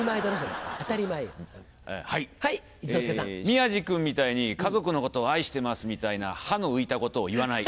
宮治君みたいに「家族のこと愛してます」みたいな歯の浮いたことを言わない。